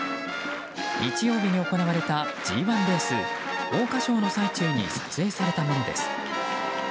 日曜日に行われたＧ１レース桜花賞の最中に撮影されたものです。